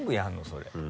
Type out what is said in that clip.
それ。